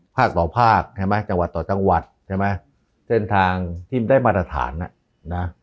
ภาคต่อภาคใช่ไหมจังหวัดต่อจังหวัดใช่ไหมเส้นทางที่ได้มาตรฐานอ่ะนะ